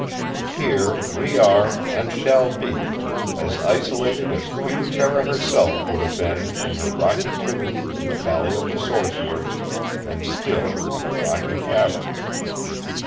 Here, we are, and shall be, as isolated as Queen Tera herself would have been in her rocky tomb in the Valley of the Sorcerer, and still in a rocky cavern.